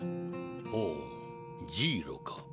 ほうジイロか。